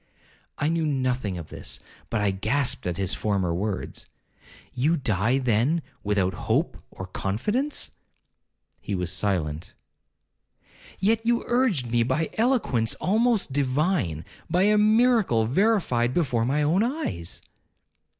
I knew nothing of this, but I grasped at his former words, 'You die, then, without hope or confidence?' He was silent. 'Yet you urged me by eloquence almost divine, by a miracle verified before my own eyes.'